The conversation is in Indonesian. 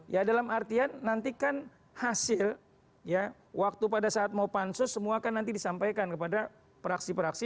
ya dalam artian nantikan hasil ya waktu pada saat mau pansus semua akan nanti disampaikan kepada fraksi fraksi